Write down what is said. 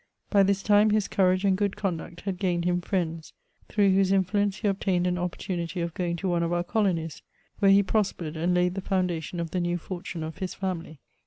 By this time, his courage and good conduct had gained him friends, through whose influence he obtained an opportunity of going to one of our colonies, where he prospered, and laid the foundation of the new fortune of his family.